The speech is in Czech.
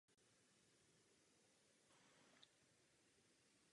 V boji si nové stíhačky vedly dobře a byly oblíbené.